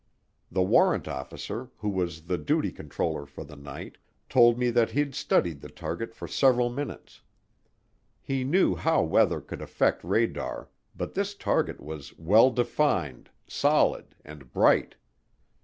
The warrant officer, who was the duty controller for the night, told me that he'd studied the target for several minutes. He knew how weather could affect radar but this target was "well defined, solid, and bright."